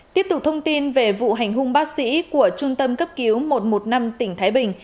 tiếp tục thông tin về vụ hành hung bác sĩ của trung tâm cấp cứu một trăm một mươi năm tỉnh thái bình